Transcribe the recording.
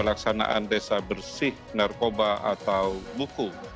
pelaksanaan desa bersih narkoba atau buku